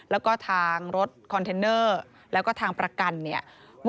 แล้วก็ทางรถคอนเทนเนอร์แล้วก็ทางประกันเนี่ย